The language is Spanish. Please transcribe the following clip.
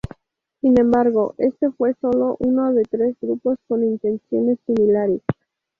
Sin embargo, este fue solo uno de tres grupos con intenciones similares.